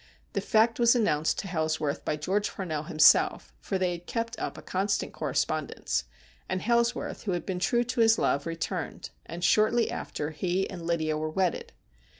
The fact was announced to Hailsworth by George Farnell himself, for they had kept up a constant corre spondence, and Hailsworth, who had been true to his love, returned, and shortly after he and Lydia were wedded.